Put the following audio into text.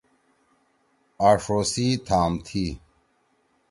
آݜو سی تھام تھی۔